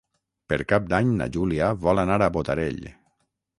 Per Cap d'Any na Júlia vol anar a Botarell.